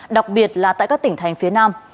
đặc biệt là tại các tỉnh thành phía nam